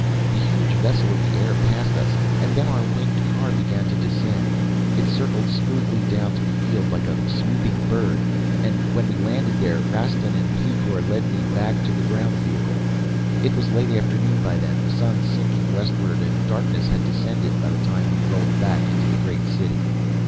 "The huge vessel of the air passed us and then our winged car began to descend. It circled smoothly down to the field like a swooping bird, and, when we landed there, Rastin and Thicourt led me back to the ground vehicle. It was late afternoon by then, the sun sinking westward, and darkness had descended by the time we rolled back into the great city.